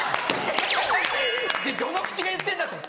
どの口が言ってんだ！と。